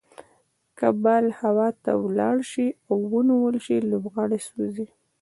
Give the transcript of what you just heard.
که بال هوا ته ولاړ سي او ونيول سي؛ لوبغاړی سوځي.